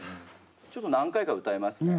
ちょっと何回か歌いますね。